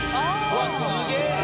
うわっすげえ！